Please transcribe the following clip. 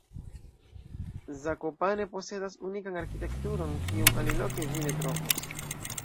Zakopane posedas unikan arkitekturon, kiun aliloke vi ne trovos.